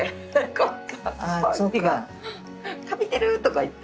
「カビてる」とか言って。